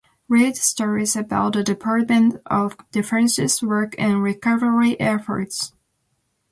Read stories about the Department of Defense's work in recovery efforts.